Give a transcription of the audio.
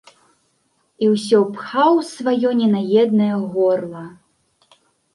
І ўсё пхаў у сваё ненаеднае горла.